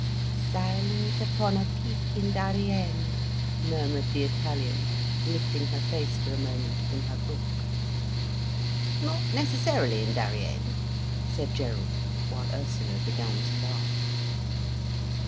"Silent upon a peak in Dariayn," murmured the Italian, lifting her face for a moment from her book. "Not necessarily in Dariayn," said Gerald, while Ursula began to laugh.